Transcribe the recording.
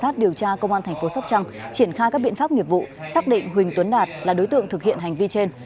triển khai các biện pháp nghiệp vụ xác định huỳnh tuấn đạt là đối tượng thực hiện hành vi trên